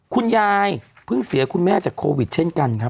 คุณยายเพิ่งเสียคุณแม่จากโควิดเช่นกันครับ